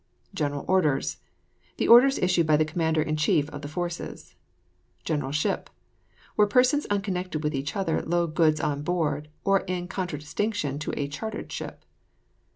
GENERAL ORDERS. The orders issued by the commander in chief of the forces. GENERAL SHIP. Where persons unconnected with each other load goods on board, in contradistinction to a chartered ship.